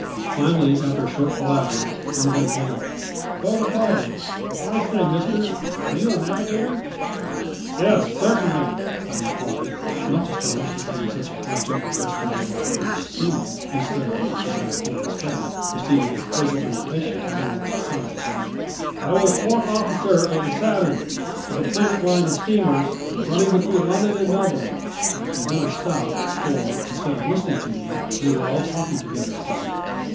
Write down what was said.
Finally, after a short palaver, one of them hailed: "Boat ahoy! I say, mister, are you a navigator?" "Yes, certainly," I replied, much astonished at having such a question addressed to me by a British seaman, instead of as I had fully expected receiving a cordial invitation to come alongside; "I was fourth officer of the Saturn, of the Planet Line of steamers running between London and Melbourne " and then I stopped, for instead of listening to me they were all talking together again.